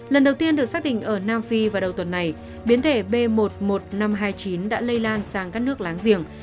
lần đầu tiên được xác định ở nam phi vào đầu tuần này biến thể b một mươi một nghìn năm trăm hai mươi chín đã lây lan sang các nước láng giềng